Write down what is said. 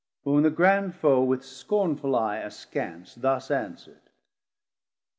Whom the grand foe with scornful eye askance Thus answerd.